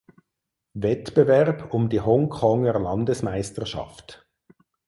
Wettbewerb um die Hongkonger Landesmeisterschaft.